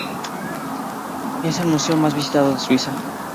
Es el museo más visitado de Suiza.